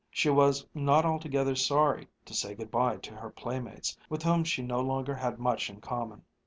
She was not altogether sorry to say good bye to her playmates, with whom she no longer had much in common.